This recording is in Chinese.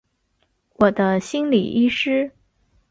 我的心理医师